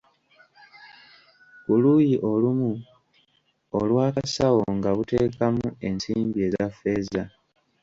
Ku luuyi olumu olw'akasawo nga buteekamu ensimbi eza feeza.